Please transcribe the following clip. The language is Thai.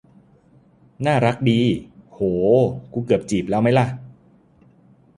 น่ารักดี โห กูเกือบจีบแล้วมั๊ยล่ะ